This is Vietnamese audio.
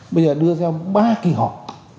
bây giờ đưa ra ba kỳ họp